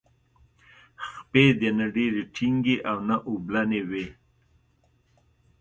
خپې دې نه ډیرې ټینګې او نه اوبلنې وي.